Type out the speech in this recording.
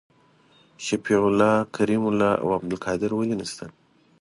شفیع الله کریم الله او عبدالقادر ولي نسته؟